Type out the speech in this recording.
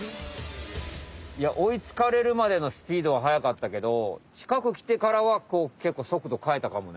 いや追いつかれるまでのスピードははやかったけどちかくきてからはこうけっこうそくど変えたかもね。